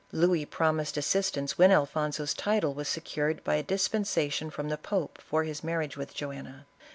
Louis promised as sistance when Alfonso's title was secured by a dispen sation from the pope for his marriage with Joanna.